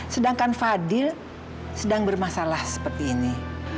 sedangkan fadil sedang bermasalah seperti ini